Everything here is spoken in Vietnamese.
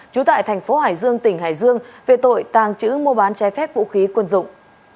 trú tại thành phố hải dương tỉnh hải dương về tội tàng trữ mua bán trái phép vũ khí quân dụng